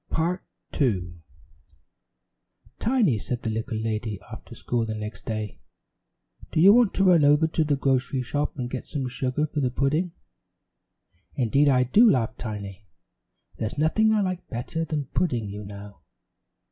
Tiny Saves a Baby's Life "Tiny," said the little lady after school the next day, "don't you want to run over to the grocery shop and get some sugar for the pudding?" "Indeed I do," laughed Tiny; "there's nothing I like better than pudding, you know."